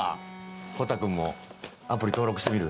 コタくんもアプリ登録してみる？